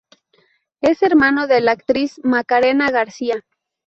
Es hermano de la actriz Macarena García.